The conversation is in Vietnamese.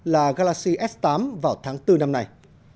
là galassi s tám vào tháng bốn năm nay